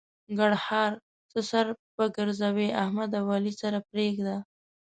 ګړهار: څه سر په ګرځوې؛ احمد او علي سره پرېږده.